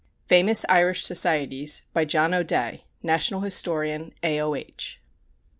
FAMOUS IRISH SOCIETIES By JOHN O'DEA, National Historian, A.O.H..